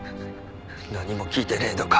何も聞いてねえのか？